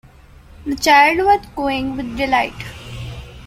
The child was cooing with delight.